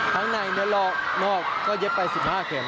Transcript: ข้างในเนื้อรอกนอกก็เย็บไป๑๕เข็ม